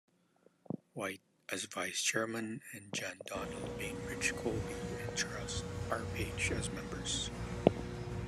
White as Vice-chairman and John Donald, Bainbridge Colby and Charles R. Page as members.